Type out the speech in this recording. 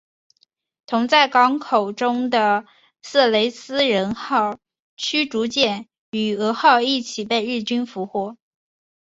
同在港口中的色雷斯人号驱逐舰与蛾号一起被日军俘获。